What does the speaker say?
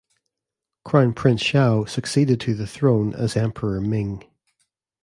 Crown Prince Shao succeeded to the throne as Emperor Ming.